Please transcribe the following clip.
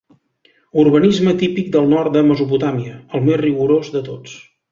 Urbanisme típic del nord de Mesopotàmia, el més rigorós de tots.